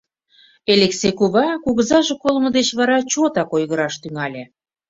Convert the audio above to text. Элексей кува кугызаже колымо деч вара чотак ойгыраш тӱҥале.